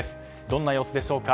どんな様子でしょうか。